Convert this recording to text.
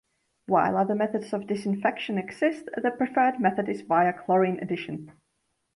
While other methods of disinfection exist, the preferred method is via chlorine addition.